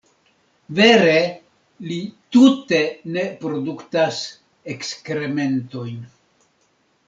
Vere, li tute ne produktas ekskrementojn.